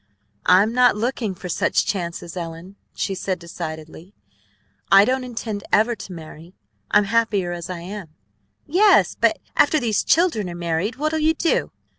"I'm not looking for such chances, Ellen," she said decidedly. "I don't intend ever to marry. I'm happier as I am." "Yes, but after these children are married what'll you do?